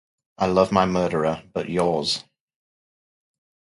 I love my murderer — but yours!